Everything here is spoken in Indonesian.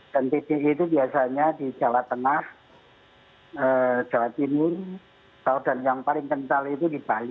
dan pdi itu biasanya di jawa tengah jawa timur dan yang paling kental itu di bali